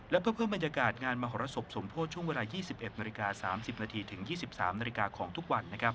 และเพื่อเพิ่มบรรยากาศงานมหรษบสมโทษช่วงเวลา๒๑น๓๐นถึง๒๓นของทุกวัน